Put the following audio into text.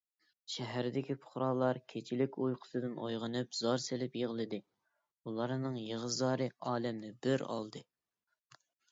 شەھەردىكى پۇقرالار كېچىلىك ئۇيقۇسىدىن ئويغىنىپ، زار سېلىپ يىغلىدى، ئۇلارنىڭ يىغا - زارى ئالەمنى بىر ئالدى.